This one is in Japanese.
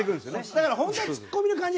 だから本当はツッコミの感じ。